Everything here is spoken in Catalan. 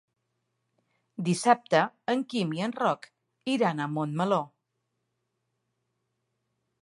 Dissabte en Quim i en Roc iran a Montmeló.